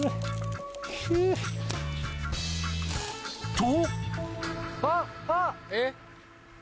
と！